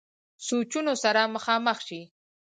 سوچونو سره مخامخ شي -